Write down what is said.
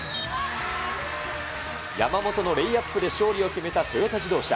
山本のレイアップで勝利を決めたトヨタ自動車。